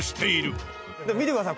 「見てください。